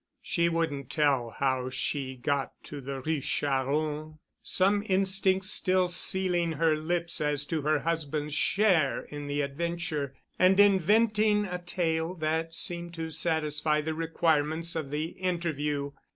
She wouldn't tell how she got to the Rue Charron, some instinct still sealing her lips as to her husband's share in the adventure, and inventing a tale that seemed to satisfy the requirements of the interview.